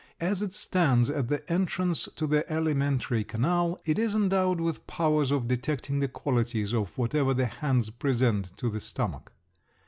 As it stands at the entrance to the alimentary canal it is endowed with powers of detecting the qualities of whatever the hands present to the stomach.